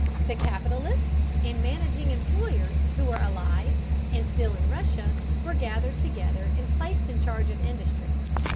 The capitalists and managing employers who were alive and still in Russia, were gathered together and placed in charge of industry.